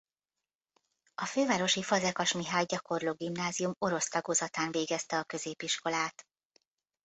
A Fővárosi Fazekas Mihály Gyakorló Gimnázium orosz tagozatán végezte a középiskolát.